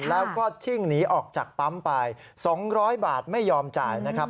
แล้วก็ชิ่งหนีออกจากปั๊มไป๒๐๐บาทไม่ยอมจ่ายนะครับ